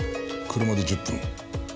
車で１０分。